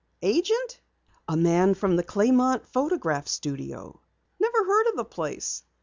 "Agent?" "A man from the Clamont Photograph Studio." "Never heard of the place."